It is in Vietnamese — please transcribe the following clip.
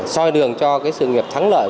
xoay đường cho cái sự nghiệp thắng lợi